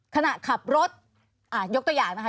ขณะขับรถยกตัวอย่างนะคะ